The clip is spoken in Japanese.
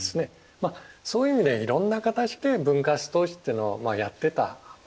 まあそういう意味でいろんな形で分割統治ってのをやってたわけですね。